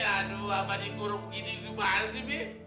aduh apa dikurung gini juga mahal sih mi